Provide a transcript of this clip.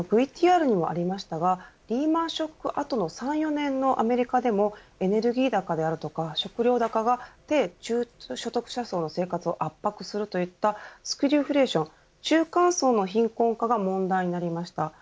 ＶＴＲにもありましたがリーマン・ショック後の３、４年のアメリカでもエネルギー高であるとか食糧高が低中所得者層の生活を圧迫するといったスクリューフレーション中間層の貧困化が問題になりました。